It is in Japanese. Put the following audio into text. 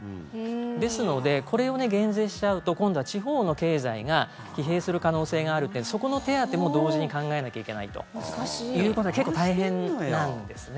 ですので、これを減税しちゃうと今度は地方の経済が疲弊する可能性があるのでそこの手当ても同時に考えなきゃいけないということで結構大変なんですね。